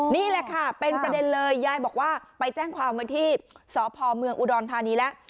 นี่แหละค่ะเป็นประเด็นเลยยายบอกว่าไปแจ้งความมาที่สพเมืองอุดรธานีแล้ว